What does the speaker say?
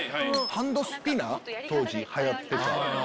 ハンドスピナー当時流行ってた。